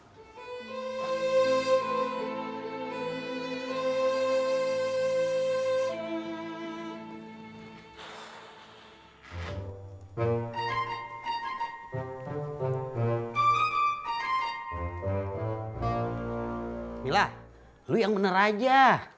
jamilah lo yang bener aja